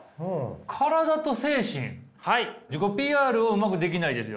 「自己ＰＲをうまくできない」ですよ。